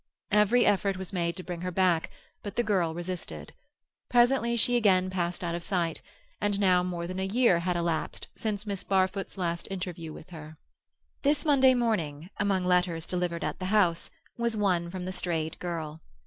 Every effort was made to bring her back, but the girl resisted; presently she again passed out of sight, and now more than a year had elapsed since Miss Barfoot's last interview with her. This Monday morning, among letters delivered at the house, was one from the strayed girl.